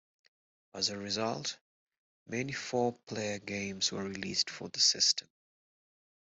As a result, many four-player games were released for the system.